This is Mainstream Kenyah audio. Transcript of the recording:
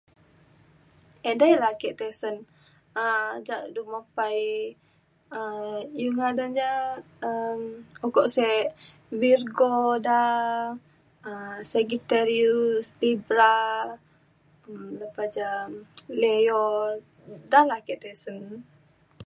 edei la ake tisen um ja du mepai um iu ngadan ja um uko sek Virgo da um Sagittarius Libra um lepa ja Leo da lah ake tisen.